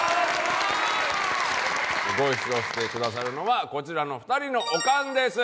すごい指導してくださるのはこちらの２人のオカンです。